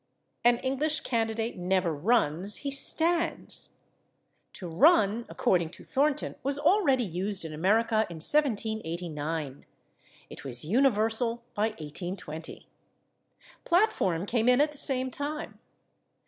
An English candidate never /runs/; he /stands/. To /run/, according to Thornton, was already used in America in 1789; it was universal by 1820. /Platform/ came in at the same time.